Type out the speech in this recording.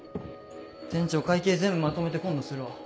店長お会計全部まとめて今度するわ。